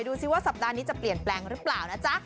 ดูสิว่าสัปดาห์นี้จะเปลี่ยนแปลงหรือเปล่านะจ๊ะ